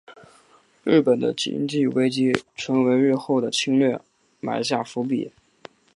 日本的经济危机成为日后的侵略埋下伏笔。